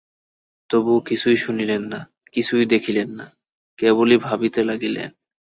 তবুও কিছুই শুনিলেন না, কিছুই দেখিলেন না, কেবলই ভাবিতে লাগিলেন।